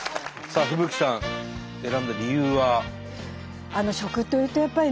さあ風吹さん選んだ理由は？